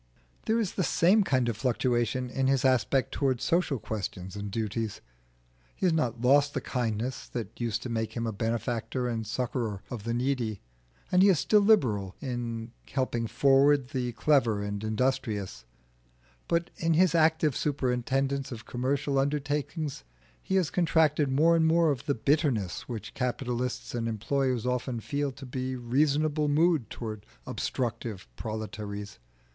There is the same kind of fluctuation in his aspect towards social questions and duties. He has not lost the kindness that used to make him a benefactor and succourer of the needy, and he is still liberal in helping forward the clever and industrious; but in his active superintendence of commercial undertakings he has contracted more and more of the bitterness which capitalists and employers often feel to be a reasonable mood towards obstructive proletaries.